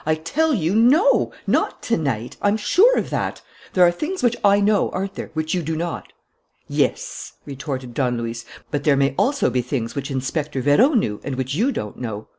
"I tell you no! Not to night. I'm sure of that. There are things which I know, aren't there, which you do not?" "Yes," retorted Don Luis, "but there may also be things which Inspector Vérot knew and which you don't know.